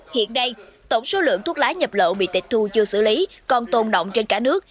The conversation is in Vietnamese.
hiện đây tổng số lượng thuốc lá nhập lậu bị tịch thu chưa xử lý còn tồn động trên cả nước